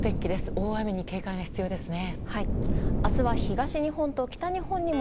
大雨に警戒が必要ですね。